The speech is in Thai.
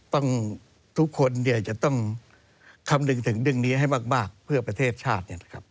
ต้องทุกคนเนี่ยจะต้องคำลึงถึงเรื่องนี้ให้มากเพื่อประเทศชาติเนี่ยนะครับ